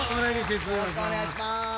よろしくお願いします。